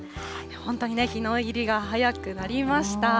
本当にね、日の入りが早くなりました。